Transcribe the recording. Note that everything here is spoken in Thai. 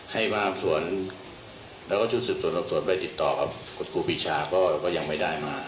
ให้มาส่วนแล้วก็ชุดสิบส่วนต่อไปติดต่อกับกฎครูปีชาก็ยังไม่ได้มา